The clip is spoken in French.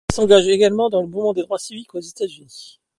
Il s'engage également dans le mouvement des droits civils aux États-Unis.